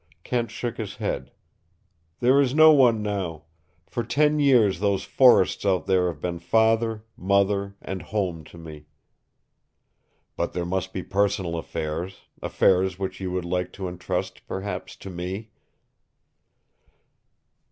Kent shook his head. "There is no one now. For ten years those forests out there have been father, mother, and home to me." "But there must be personal affairs, affairs which you would like to entrust, perhaps, to me?"